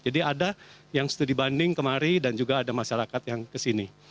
jadi ada yang studi banding kemari dan juga ada masyarakat yang kesini